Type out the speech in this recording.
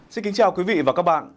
xin kính chào quý vị và các bạn